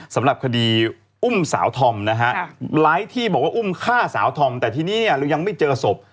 สำหรับคดีอุ้มสาวธอมนะฮะหลายที่บอกว่าอุ้มฆ่าสาวธอมแต่ทีนี้เนี่ยเรายังไม่เจอศพ